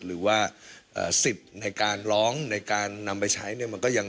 หรือว่าสิทธิ์ในการร้องในการนำไปใช้เนี่ยมันก็ยัง